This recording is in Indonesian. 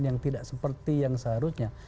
yang tidak seperti yang seharusnya